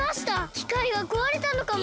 きかいがこわれたのかも！